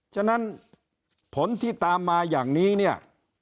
ฉะนั้นผลที่ตามมาอย่างนี้เนี่ย